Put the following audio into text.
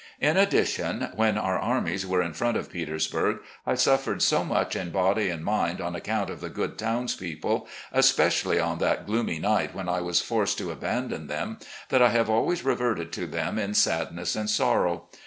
In addition, when our armies were in front of Petersbuig; I suffered so much in body and mind on account of the good townspeople, especially on that gloomy night when I was forced to abandon them, that I have always reverted to them in sadness and sorrow.